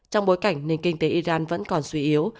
trong bối cảnh nền kinh tế iran vẫn còn suy yếu